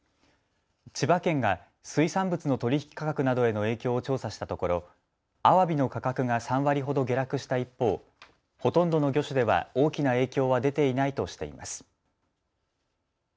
千葉県が水産物の取り引き価格などへの影響を調査したところアワビの価格が３割ほど下落した一方、ほとんどの魚種では大きな影響は出ていないとしています。